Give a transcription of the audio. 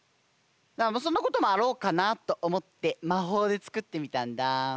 そんなこともあろうかなとおもってまほうでつくってみたんだ。